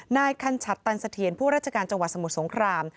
นายคัญชัดตันเสถียรผู้ราชการจังหวัดสมุทรสงคราม